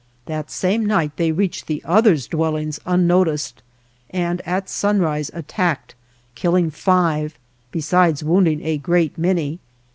That same night they reached the others' dwellings unnoticed, and at sunrise attacked, killing five, be sides wounding a great many.